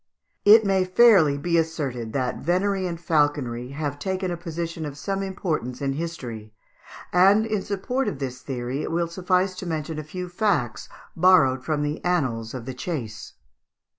] It may fairly be asserted that venery and falconry have taken a position of some importance in history; and in support of this theory it will suffice to mention a few facts borrowed from the annals of the chase.